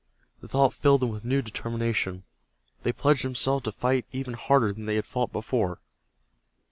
The thought filled them with new determination. They pledged themselves to fight even harder than they had fought before.